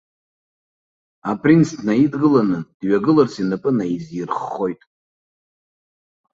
Апринц днаидгыланы, дҩагыларц инапы наизирххоит.